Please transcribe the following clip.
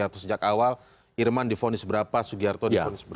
untuk menjatuhkan hukuman pidana yang jauh